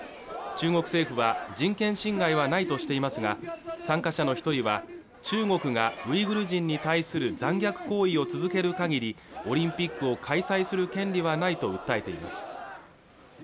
中国政府は人権侵害はないとしていますが参加者の一人は中国がウイグル人に対する残虐行為を続ける限りオリンピックを開催する権利はないと訴えています